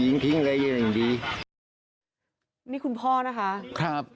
นี่คุณพ่อนะคะ